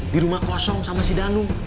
di rumah kosong sama si danung